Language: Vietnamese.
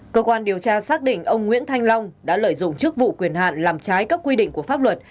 cơ quan điều tra xác định ông nguyễn thanh long đã lợi dụng chức vụ quyền hạn làm trái các quy định của pháp luật